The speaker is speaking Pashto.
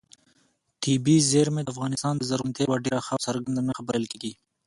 طبیعي زیرمې د افغانستان د زرغونتیا یوه ډېره ښه او څرګنده نښه بلل کېږي.